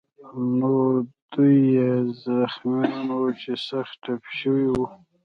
نور دوه یې زخمیان وو چې سخت ټپي شوي وو.